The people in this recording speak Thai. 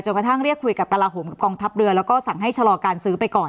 กระทั่งเรียกคุยกับกระลาโหมกับกองทัพเรือแล้วก็สั่งให้ชะลอการซื้อไปก่อน